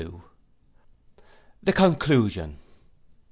The Conclusion.